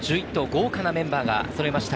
豪華なメンバーがそろいました。